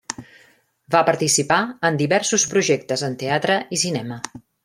Va participar en diversos projectes, en teatre i cinema.